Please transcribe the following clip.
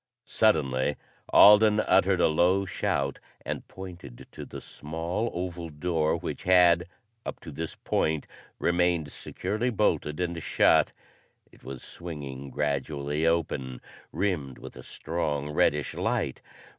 Suddenly, Alden uttered a low shout and pointed to the small, oval door which had, up to this point, remained securely bolted and shut. It was swinging gradually open, rimmed with a strong reddish light.